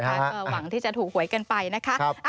ก็หวังที่จะถูกหวยกันไปนะคะ